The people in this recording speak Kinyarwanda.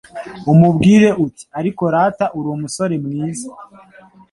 umubwire Uti ariko rata uri umusore mwiza